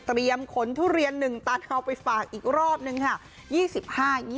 เตรียมขนทุเรียนหนึ่งตัดเขาไปฝากอีกรอบหนึ่งค่ะ